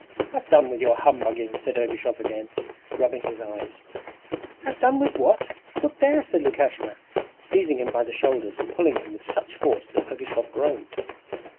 'Have done with your humbugging!' said Ergushov again, rubbing his eyes. 'Have done with what? Look there,' said Lukashka, seizing him by the shoulders and pulling him with such force that Ergushov groaned.